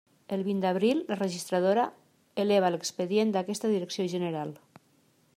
El vint d'abril, la registradora eleva l'expedient a aquesta Direcció General.